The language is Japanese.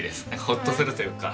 ほっとするというか。